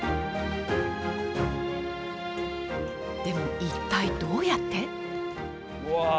でも、一体どうやって？